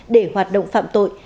để hoạt động phạm tội